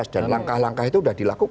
dan langkah langkah itu sudah dilakukan